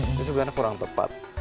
itu sebenarnya kurang tepat